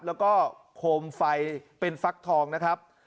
แล้วก็โคมไฟเป็นฟักทองนะครับ